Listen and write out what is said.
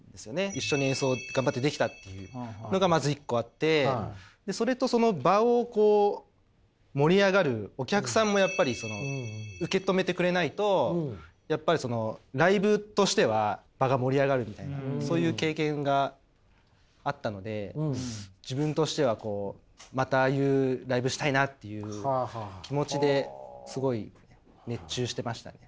一緒に演奏頑張ってできたっていうのがまず一個あってそれとその場をこう盛り上がるお客さんもやっぱり受け止めてくれないとやっぱりそのライブとしては場が盛り上がるみたいなそういう経験があったので自分としてはこうまたああいうライブしたいなっていう気持ちですごい熱中してましたね。